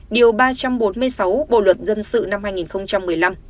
điều ba trăm bốn mươi sáu bộ luật dân sự năm hai nghìn một mươi năm